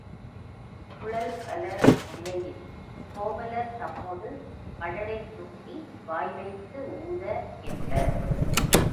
குழல் வளர் முல்லையில் கோவலர் தம்மொடு மழலைத் தும்பி வாய்வைத்து ஊத என்பர்.